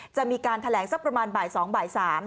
จะมีการแถลงสักประมาณบ่าย๒บ่าย๓